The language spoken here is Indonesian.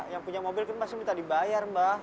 yang punya mobil kan masih minta dibayar mbah